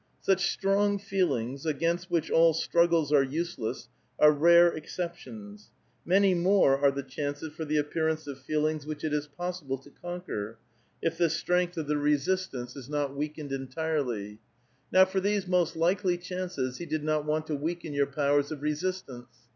Such strong feelings, i^ainst which all struggles are useless, are rare exceptions. Many more are the chances for the appearance of feelings which it is possible to conquer, if the strength of the resist 806 A VITAL QUESTION. ance is not weakened entirely. Now for these most likely chances he did not want to weaken your powers of resist ance.